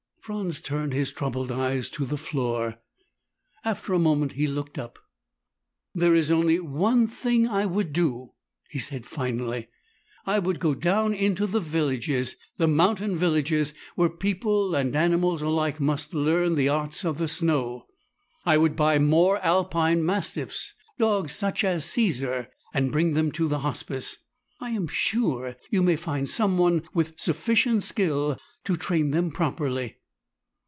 Franz turned his troubled eyes to the floor. After a moment, he looked up. "There is only one thing I would do," he said finally. "I would go down into the villages, the mountain villages where people and animals alike must learn the arts of the snow. I would buy more Alpine Mastiffs, dogs such as Caesar, and bring them to the Hospice. I am sure you may find someone with sufficient skill to train them properly."